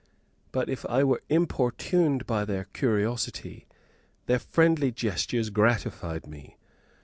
But if I were importuned by their curiosity, their friendly gestures gratified me.